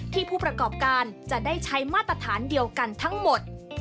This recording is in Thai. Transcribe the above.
ผู้ประกอบการจะได้ใช้มาตรฐานเดียวกันทั้งหมด